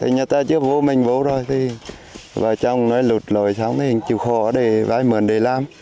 nhà ta chưa vô mình vô rồi vợ chồng nói lụt lối xóm thì chịu khó để vai mượn để làm